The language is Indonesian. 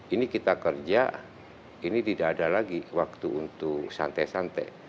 ini kita kerja ini tidak ada lagi waktu untuk santai santai